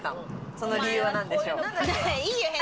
その理由はなんでしょう？